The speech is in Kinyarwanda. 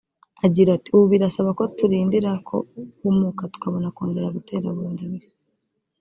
Agira ati “Ubu birasaba ko turindira ko humuka tukabona kongera gutera bundi bushya